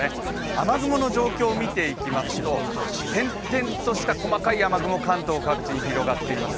雨雲の状況を見ていきますと点々とした細かい雨雲、関東各地に広がっています。